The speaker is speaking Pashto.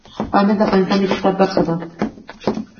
پامیر د افغانستان د اقتصاد برخه ده.